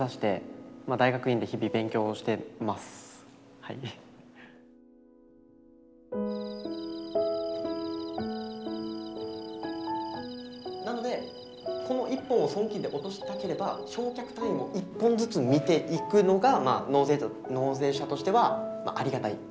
今はなのでこの１本を損金で落としたければ償却単位を１本ずつ見ていくのが納税者としてはありがたい。